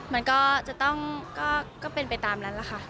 มันก็จะต้องเป็นไปตามนั้นแหละค่ะ